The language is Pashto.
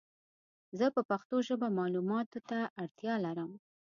زه په پښتو ژبه مالوماتو ته اړتیا لرم